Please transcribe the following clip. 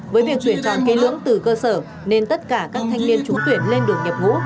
với việc tuyển tròn ký lưỡng từ cơ sở nên tất cả các thanh niên trúng tuyển lên đường nhập ngũ